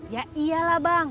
ya iyalah bang